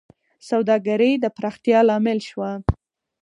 سوداګرۍ د پراختیا لامل شوه.